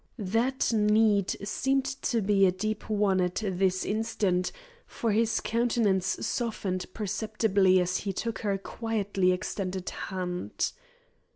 That need seemed to be a deep one at this instant, for his countenance softened perceptibly as he took her quietly extended hand.